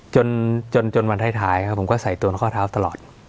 จนจนวันท้ายครับผมก็ใส่ตัวในข้อเท้าตลอด